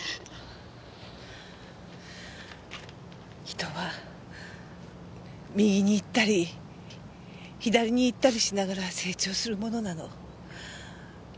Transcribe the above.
人は右に行ったり左に行ったりしながら成長するものなの。